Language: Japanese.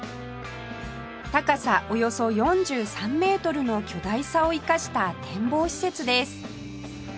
高さおよそ４３メートルの巨大さを生かした展望施設です